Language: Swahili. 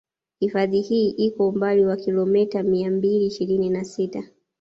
Hifadhi hii iko umbali wa kilometa mia mbili ishirini na sita